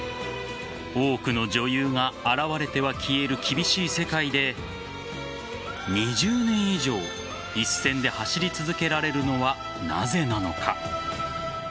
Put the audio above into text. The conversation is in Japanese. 多くの女優が現れては消える厳しい世界で２０年以上一線で走り続けられるのはなぜなのか。